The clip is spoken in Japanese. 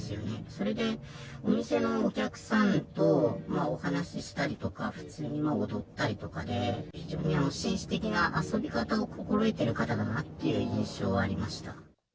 それでお店のお客さんとお話ししたりとか、普通に踊ったりとかで、非常に紳士的な遊び方を心得てる方だなっていう印象はありました。